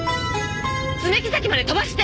爪木崎まで飛ばして！